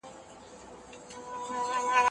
په چین کي سوسیالیزم رامنځته شوی دی.